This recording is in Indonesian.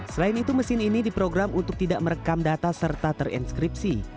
selain itu mesin ini diprogram untuk tidak merekam data serta terinskripsi